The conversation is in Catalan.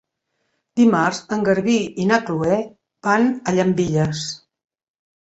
Dimarts en Garbí i na Chloé van a Llambilles.